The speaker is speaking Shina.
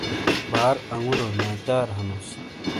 بار انگورو ناچار ہَنوس۔